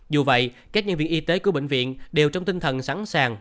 dù vậy các nhân viên y tế của bệnh viện đều trong tinh thần sẵn sàng